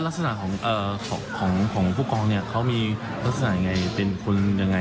และลักษณะของผู้กองเขามีลักษณะเป็นคุณอย่างไร